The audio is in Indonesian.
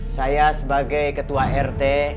saya sebagai ketua rt